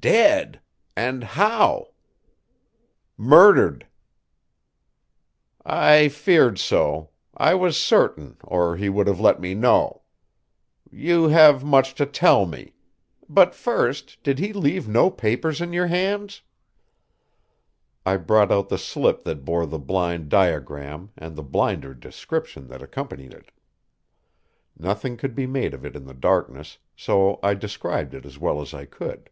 "Dead! And how?" "Murdered." "I feared so I was certain, or he would have let me know. You have much to tell me. But first, did he leave no papers in your hands?" I brought out the slip that bore the blind diagram and the blinder description that accompanied it. Nothing could be made of it in the darkness, so I described it as well as I could.